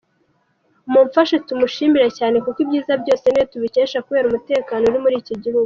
Mumfashe tumushimire cyane kuko ibyiza byose niwe tubikesha kubera umutekano uri muri iki gihugu.